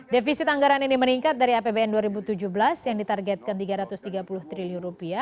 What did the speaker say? defisit anggaran ini meningkat dari apbn dua ribu tujuh belas yang ditargetkan rp tiga ratus tiga puluh triliun